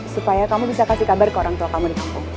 supaya kamu bisa kasih kabar ke orang tua kamu di kampung